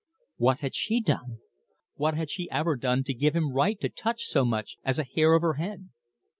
What had she done? What had she ever done to give him right to touch so much as a hair of her head?